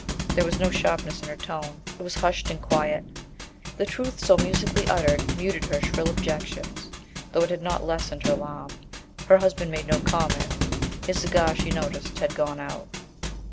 There was no sharpness in her tone; it was hushed and quiet. The truth, so musically uttered, muted her shrill objections though it had not lessened her alarm. Her husband made no comment; his cigar, she noticed, had gone out.